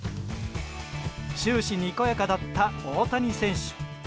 終始にこやかだった大谷選手。